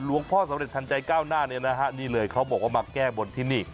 พ่อสำเร็จทันใจก้าวหน้าเนี่ยนะฮะนี่เลยเขาบอกว่ามาแก้บนที่นี่